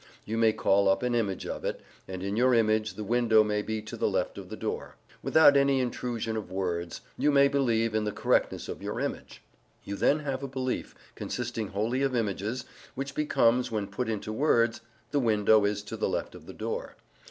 You may call up an image of it, and in your image the window may be to the left of the door. Without any intrusion of words, you may believe in the correctness of your image. You then have a belief, consisting wholly of images, which becomes, when put into words, "the window is to the left of the door."